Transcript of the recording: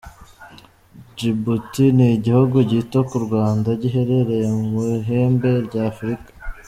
Djibouti ni igihugu gito ku Rwanda, giherereye mu ihembe rya Afurika.